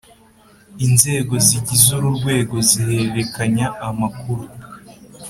Inzego zigize uru rwego zihererekanya amakuru